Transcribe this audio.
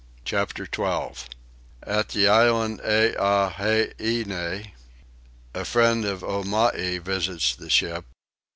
CHAPTER 12. At the Island Huaheine. A Friend of Omai visits the Ship.